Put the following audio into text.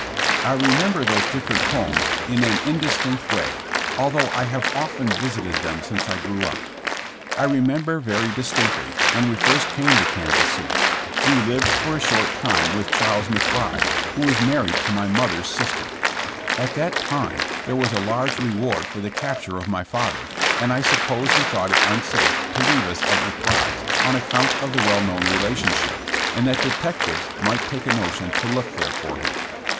I remem ber those different homes in an indistinct way, al though I have often visited them since I grew up. I remember very distinctly when we first came to Kansas City, we lived for a short time with Charles McBride, who was married to my mother's THINGS I REMEMBER OF MY FATHER. 7 sister. At that time there was a large reward for the capture of my father, and I suppose he thought it unsafe to leave us at McBride's on account of the well known relationship, and that detectives might take a notion to look there for him.